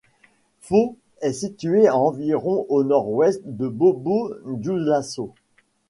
Fô est située à environ au nord-ouest de Bobo-Dioulasso.